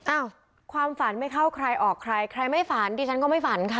อ้าวความฝันไม่เข้าใครออกใครใครไม่ฝันดิฉันก็ไม่ฝันค่ะ